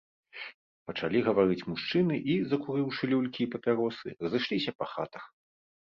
Пачалi гаварыць мужчыны i, закурыўшы люлькi i папяросы, разышлiся па хатах...